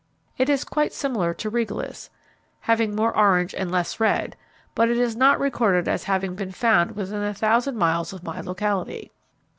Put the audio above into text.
It is quite similar to Regalis, "having more orange and less red," but it is not recorded as having been found within a thousand miles of my locality.